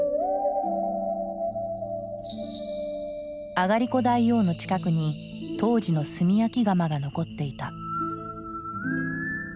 あがりこ大王の近くに当時の炭焼き窯が残っていた。